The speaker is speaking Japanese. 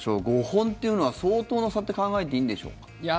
５本っていうのは、相当な差と考えていいんでしょうか。